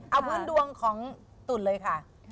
เอาพื้นดวงของตุ่นเลยค่ะ